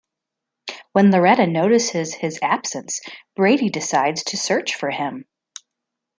When Loretta notices his absence, Brady decides to search for him.